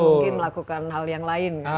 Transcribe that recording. mungkin melakukan hal yang lain kan